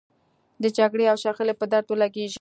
د جګړې او شخړې په درد ولګېږي.